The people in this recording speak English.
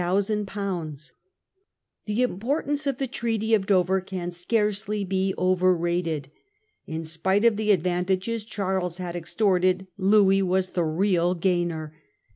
The importance of the Treaty of Dover can scarcely be overrated. In spite of the advantages Charles had „„, extorted, Louis was the real gainer.